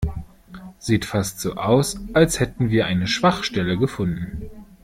Sieht fast so aus, als hätten wir eine Schwachstelle gefunden.